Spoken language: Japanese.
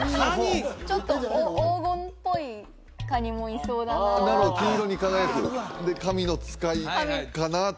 ちょっと黄金っぽい蟹もいそうだななるほど金色に輝くで神の使いかなと？